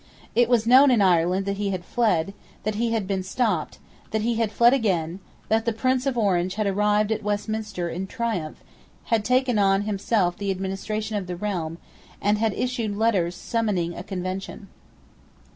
It was known in Ireland that he had fled; that he had been stopped; that he had fled again; that the Prince of Orange had arrived at Westminster in triumph, had taken on himself the administration of the realm, and had issued letters summoning a Convention.